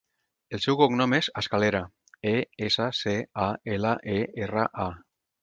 El seu cognom és Escalera: e, essa, ce, a, ela, e, erra, a.